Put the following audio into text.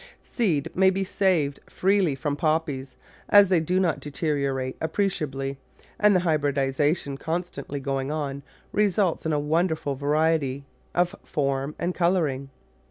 Seed may be saved freely from Poppies, as they do not deteriorate appreciably, and the hybridisation constantly going on results in a wonderful variety of form and colouring.